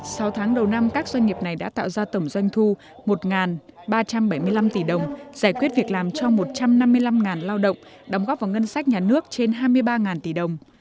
sau tháng đầu năm các doanh nghiệp này đã tạo ra tổng doanh thu một ba trăm bảy mươi năm tỷ đồng giải quyết việc làm cho một trăm năm mươi năm lao động đóng góp vào ngân sách nhà nước trên hai mươi ba tỷ đồng